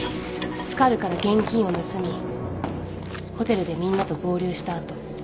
スカルから現金を盗みホテルでみんなと合流した後。